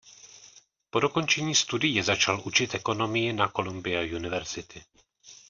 Po dokončení studií začal učit ekonomii na Columbia University.